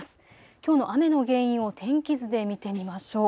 きょうの雨の原因を天気図で見てみましょう。